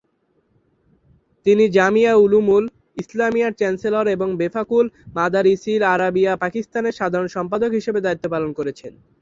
তিনি জামিয়া উলুমুল ইসলামিয়ার চ্যান্সেলর এবং বেফাকুল মাদারিসিল আরাবিয়া পাকিস্তান-এর সাধারণ সম্পাদক হিসেবে দায়িত্ব পালন করেছেন।